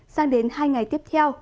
sang đến hai ngày tiếp theo